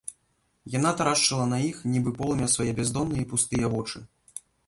Яна тарашчыла на іх, нібы на полымя, свае бяздонныя і пустыя вочы.